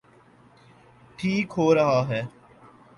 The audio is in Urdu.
ٹھیک ہو رہا ہے۔